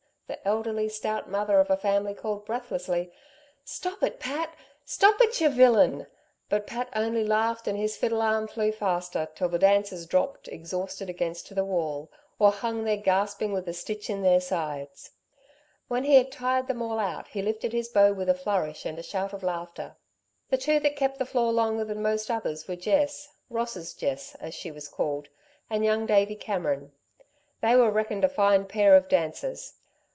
The elderly, stout mother of a family called breathlessly: "Stop it, Pat! Stop it, ye villain!" But Pat only laughed and his fiddle arm flew faster, till the dancers dropped exhausted against the wall, or hung there gasping with a stitch in their sides. When he had tired them all out, he lifted his bow with a flourish and a shout of laughter. The two that kept the floor longer than most others were Jess Ross's Jess, as she was called and young Davey Cameron. They were reckoned a fine pair of dancers.